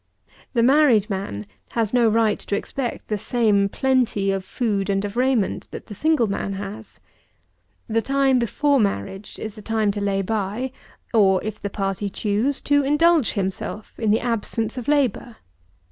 85. The married man has no right to expect the same plenty of food and of raiment that the single man has. The time before marriage is the time to lay by, or, if the party choose, to indulge himself in the absence of labour.